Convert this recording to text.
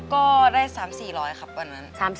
ก็ได้๓๔๐๐ครับวันนั้น